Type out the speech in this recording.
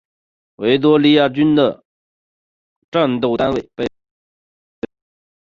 维多利亚中的战斗单位被分为陆军和海军。